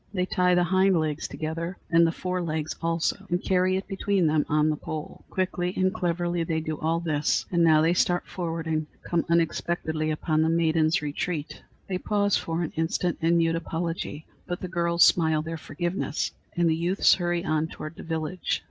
They tie the hind legs together and the fore legs also and carry it between them on the pole. Quickly and cleverly they do all this; and now they start forward and come unexpectedly upon the maidens' retreat! They pause for an instant in mute apology, but the girls smile their forgiveness, and the youths hurry on toward the village.